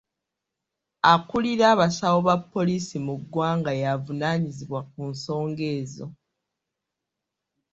Akulira abasawo ba poliisi mu ggwanga y'avunaanyizibwa ku nsonga ezo.